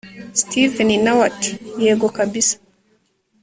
steven nawe ati yego kabsa